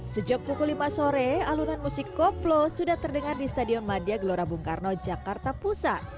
sejak pukul lima sore alunan musik koplo sudah terdengar di stadion madia gelora bung karno jakarta pusat